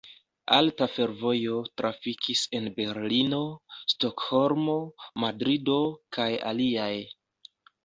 Alta fervojo trafikis en Berlino, Stokholmo, Madrido, kaj aliaj.